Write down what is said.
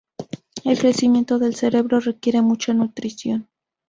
El crecimiento del cerebro requiere mucha nutrición.